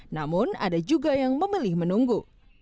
namun ada juga yang memilih menunggu